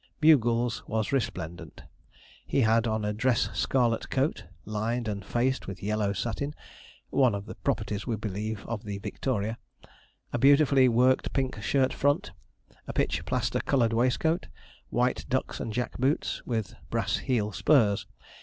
Bugles was resplendent. He had on a dress scarlet coat, lined and faced with yellow satin (one of the properties, we believe, of the Victoria), a beautifully worked pink shirt front, a pitch plaster coloured waistcoat, white ducks, and jack boots, with brass heel spurs.